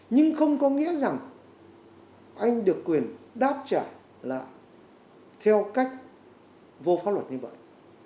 nhưng không có nghĩa rằng anh được quyền đáp trả là theo cách vô pháp luật như vậy